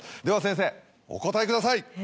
では先生お答えください。